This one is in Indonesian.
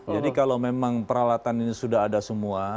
jadi kalau memang peralatan ini sudah ada semua